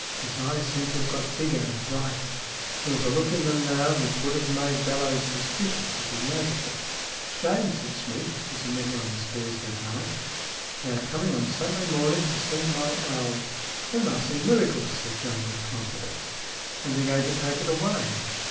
His eyes seemed to have got bigger and brighter. There was a look in them now which would have made Bellowes suspicious if he had noticed it. "Jane," said Smeath, as he met her on the stairs that night, " they are coming on Sunday morning to see my owl." "Then they'll see miracles," said Jane, with confidence. " And they're going to take it away."